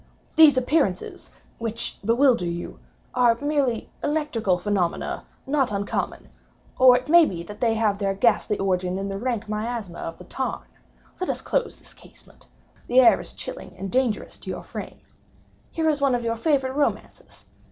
"These appearances, which bewilder you, are merely electrical phenomena not uncommon—or it may be that they have their ghastly origin in the rank miasma of the tarn. Let us close this casement;—the air is chilling and dangerous to your frame. Here is one of your favorite romances.